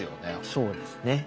そうですね。